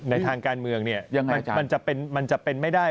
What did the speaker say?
ในทางการเมืองเนี่ยมันจะเป็นไม่ได้